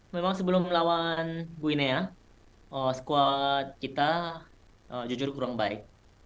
memang sebelum lawan guinea squad kita jujur kurang baik